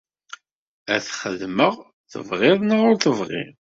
Ad t-xedmeɣ, tebɣiḍ neɣ ur tebɣiḍ.